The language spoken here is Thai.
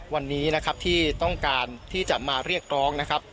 วันนี้นะครับที่ต้องการที่จะมาเรียกร้องนะครับ